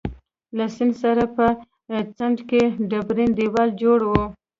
له سیند سره په څنګ کي ډبرین دیوال جوړ وو.